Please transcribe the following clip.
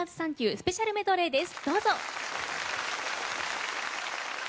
スペシャルメドレー」です。